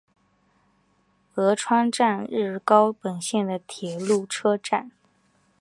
鹉川站日高本线的铁路车站。